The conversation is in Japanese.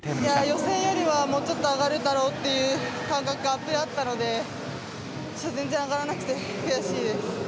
予選よりはもうちょっと上がるだろうっていう感覚があったので全然、上がらなくて悔しいです。